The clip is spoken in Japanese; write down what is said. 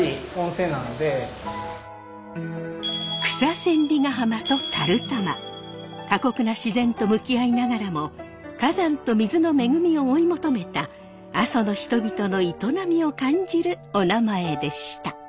地球っていうかそのためには過酷な自然と向き合いながらも火山と水の恵みを追い求めた阿蘇の人々の営みを感じるおなまえでした。